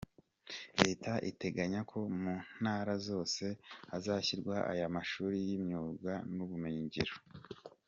Leta iteganya ko mu Ntara zose hazashyirwa aya mashuri y’imyuga n’ubumenyi ngiro.